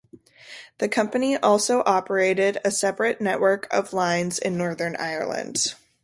The company also operated a separate network of lines in Northern Ireland.